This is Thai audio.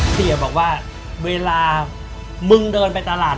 เสียบอกว่าเวลามึงเดินไปตลาด